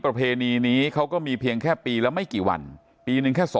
ประเพณีนี้เขาก็มีเพียงแค่ปีละไม่กี่วันปีหนึ่งแค่๒